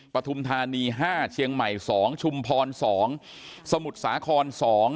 ปฐุมธานี๕เชียงใหม่๒ชุมพร๒สมุทรสาคร๒